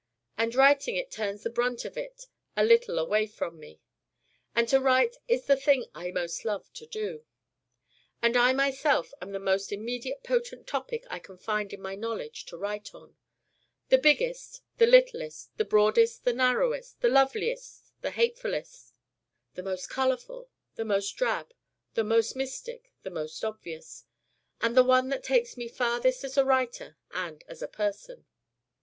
And writing it turns the brunt of it a little away from me. And to write is the thing I most love to do. And I myself am the most immediate potent topic I can find in my knowledge to write on: the biggest, the littlest, the broadest, the narrowest, the loveliest, the hatefulest, the most colorful, the most drab, the most mystic, the most obvious, and the one that takes me farthest as a writer and as a person.